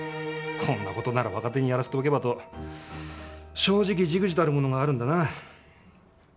こんなことなら若手にやらせておけばと正直じくじたるものがあるんだな。